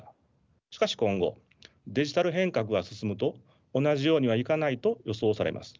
しかし今後デジタル変革が進むと同じようにはいかないと予想されます。